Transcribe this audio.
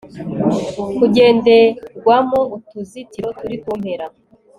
kugenderwamo utuzitiro turi ku mpera